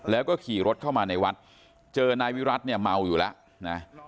แล้วก็ขี่รถเข้ามาในวัดเจอนายวิรัติเนี่ยเมาอยู่แล้วนะ